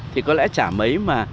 thì có lẽ chả mấy mà